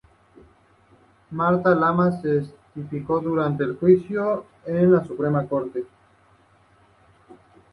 Marta Lamas testificó durante el juicio en la Suprema Corte.